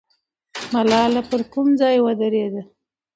ملالۍ پر کوم ځای ودرېده؟